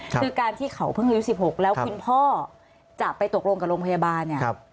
คือการที่เขาเพิ่งอายุ๑๖แล้วคุณพ่อจะไปตกลงกับโรงพยาบาลเนี่ย